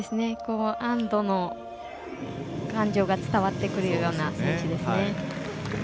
安堵の感情が伝わってくるような選手ですね。